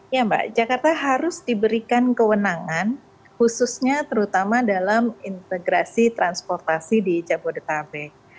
ya mbak jakarta harus diberikan kewenangan khususnya terutama dalam integrasi transportasi di jabodetabek